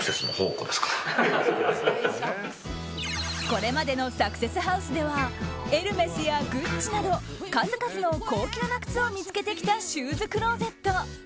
これまでのサクセスハウスではエルメスやグッチなど数々の高級な靴を見つけてきたシューズクローゼット。